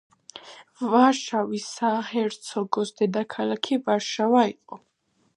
ვარშავის საჰერცოგოს დედაქალაქი ვარშავა იყო.